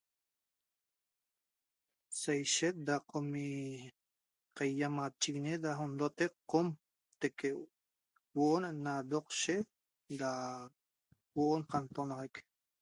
Saishet da comi caihia machiguiañe da ndootek qom teque huo'o na doqshec da huo'o na cantonaxaq